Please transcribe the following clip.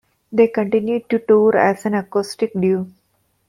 They continue to tour as an acoustic duo.